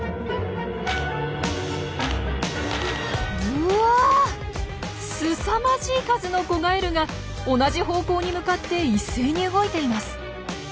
うわすさまじい数の子ガエルが同じ方向に向かって一斉に動いています。